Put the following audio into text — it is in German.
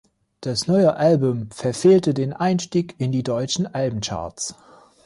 Das neue Album verfehlte den Einstieg in die deutschen Albencharts.